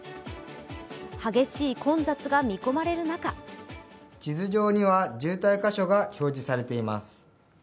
激しい混雑が見込まれる中地図上には渋滞箇所が表示されています。